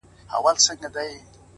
پرمختګ له ثابت حرکت رامنځته کېږي؛